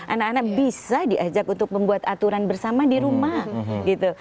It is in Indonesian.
anak anak bisa diajak untuk membuat aturan bersama di rumah gitu